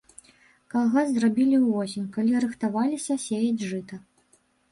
Калгас зрабілі ўвосень, калі рыхтаваліся сеяць жыта.